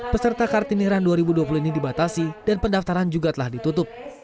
peserta kartini run dua ribu dua puluh ini dibatasi dan pendaftaran juga telah ditutup